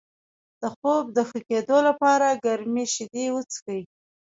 د خوب د ښه کیدو لپاره ګرمې شیدې وڅښئ